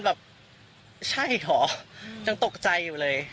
อยากตกใจอยู่เลย